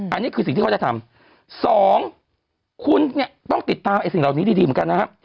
อันนี้คือสิ่งที่เขาจะทำสองคุณเนี่ยต้องติดตามสิ่งเหล่านี้ดีเหมือนกันนะครับ